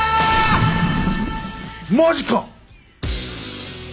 マジか！！